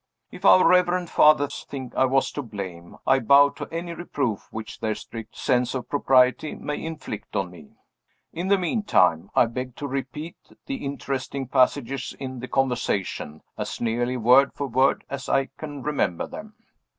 If our Reverend Fathers think I was to blame, I bow to any reproof which their strict sense of propriety may inflict on me. In the meantime, I beg to repeat the interesting passages in the conversation, as nearly word for word as I can remember them.